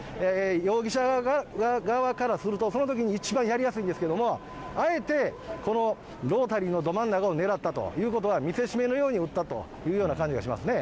容疑者側からすると、そのときが一番やりやすいんですけれども、あえて、このロータリーのど真ん中を狙ったということは、見せしめのように撃ったというような感じがしますね。